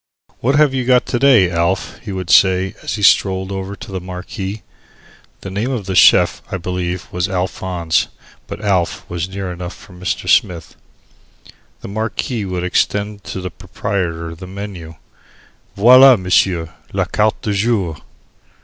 "What have you got to day, Alf?" he would say, as he strolled over to the marquis. The name of the Chief was, I believe Alphonse, but "Alf" was near enough for Mr. Smith. The marquis would extend to the proprietor the menu, "Voila, m'sieu, la carte du jour."